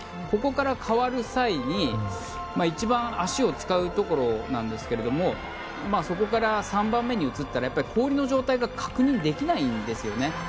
ここから代わる際に一番足を使うところなんですがそこから３番目に移ったらやっぱり、氷の状態が確認できないんですよね。